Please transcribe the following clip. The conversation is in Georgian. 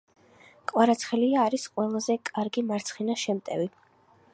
კვარაცხელია არის ყველაზე კარგი მარცხენა შემტევი